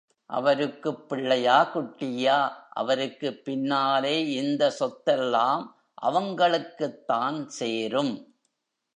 அவருக்குப் பிள்ளையா குட்டியா, அவருக்குப் பின்னாலே இந்த சொத்தெல்லாம் அவங்களுக்குத்தான் சேரும்.